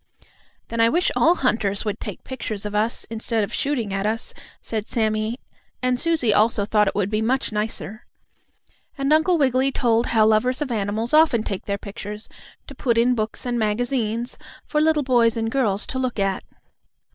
"Then I wish all hunters would take pictures of us, instead of shooting at us," said Sammie, and Susie also thought it would be much nicer. And Uncle Wiggily told how lovers of animals often take their pictures, to put in books and magazines, for little boys and girls to look at.